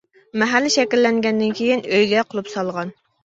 مەھەللە شەكىللەنگەندىن كېيىن ئۆيگە قۇلۇپ سالغان.